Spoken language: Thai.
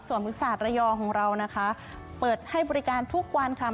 ส่วนพุษาตระยองของเรานะคะเปิดให้บริการทุกวันค่ะ